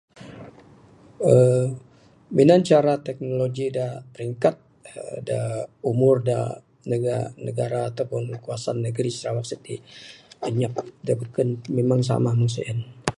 aaa Minan cara teknologi dak peringkat dak umur dak negara ataupun kawasan negeri Sarawak siti inyap dak beken memang sama mung sien.